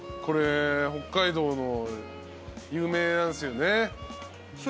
これ北海道の有名なんすよね。